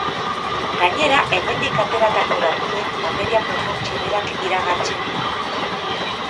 Gainera hemendik ateratako datuek materia proportzio berak iragartzen ditu.